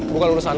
bukan urusan lu